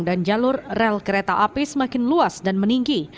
dan jalur rel kereta api semakin luas dan meninggi